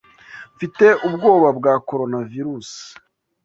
Mfite ubwoba bwa Coronavirusi.